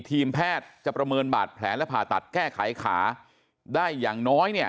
ทีมแพทย์จะประเมินบาดแผลและผ่าตัดแก้ไขขาได้อย่างน้อยเนี่ย